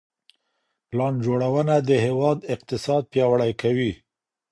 پلان جوړونه د هیواد اقتصاد پیاوړی کوي.